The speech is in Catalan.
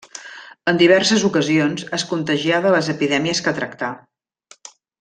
En diverses ocasions es contagià de les epidèmies que tractà.